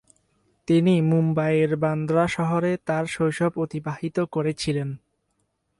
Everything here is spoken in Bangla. তিনি মুম্বইয়ের বান্দ্রা শহরে তাঁর শৈশব অতিবাহিত করেছিলেন।